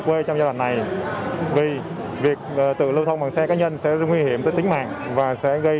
quê trong giai đoạn này vì việc tự lưu thông bằng xe cá nhân sẽ nguy hiểm tới tính mạng và sẽ gây